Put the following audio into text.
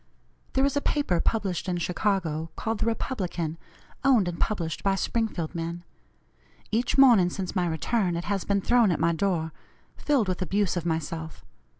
There is a paper published in Chicago called the Republican, owned and published by Springfield men. Each morning since my return it has been thrown at my door, filled with abuse of myself.